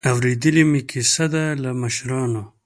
اورېدلې مې کیسه ده له مشرانو.